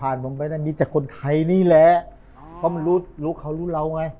มันแบบนี้แต่คนไทยนี่แหละเพราะมันรู้เขารู้เราไง